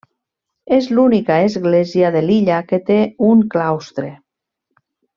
És l'única església de l'illa que té un claustre.